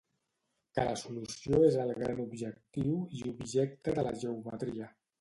Que la solució és el gran objectiu i objecte de la geometria.